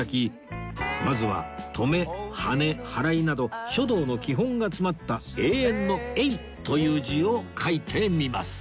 まずはとめはねはらいなど書道の基本が詰まった「永遠」の「永」という字を書いてみます